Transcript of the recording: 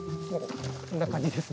こんな感じですね。